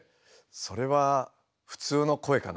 それは普通の声かな？